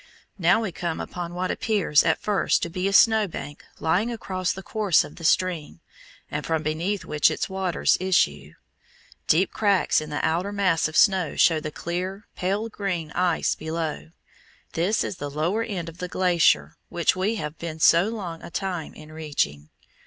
Now we come upon what appears at first to be a snow bank lying across the course of the stream, and from beneath which its waters issue. Deep cracks in the outer mass of snow show the clear, pale green ice below. This is the lower end of the glacier which we have been so long a time in reaching.